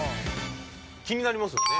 気になりますよね。